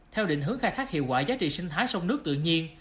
theo định hướng khai thác hiệu quả giá trị sinh thái sông nước tự nhiên